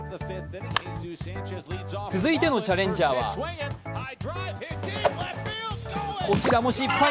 続いてのチャレンジャーはこちらも失敗。